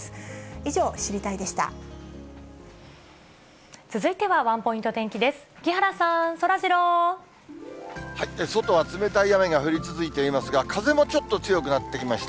以上、知りたいッ！でした。